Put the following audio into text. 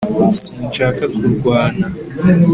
sinshaka kurwana